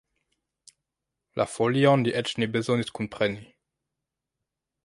La folion li eĉ ne bezonis kunpreni!